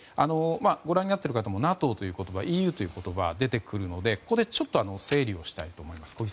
ご覧になっているという方もＮＡＴＯやＥＵという言葉が出てくるのでここで整理をしたいと思います。